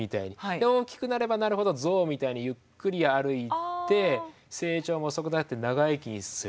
で大きくなればなるほどゾウみたいにゆっくり歩いて成長も遅くなって長生きする。